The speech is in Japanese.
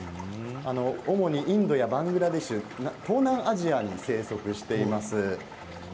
主にインドやバングラデシュ東南アジアに生息しています。